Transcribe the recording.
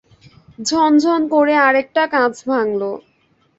ঝনঝন করে আরেকটা কাঁচ ভাঙল।